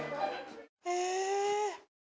え。